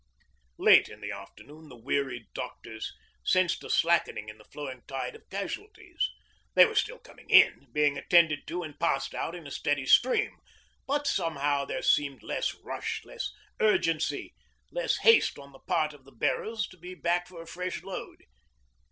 Late in the afternoon the weary doctors sensed a slackening in the flowing tide of casualties. They were still coming in, being attended to and passed out in a steady stream, but somehow there seemed less rush, less urgency, less haste on the part of the bearers to be back for a fresh load.